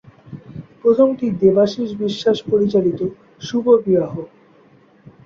প্রথমটি দেবাশীষ বিশ্বাস পরিচালিত "শুভ বিবাহ"।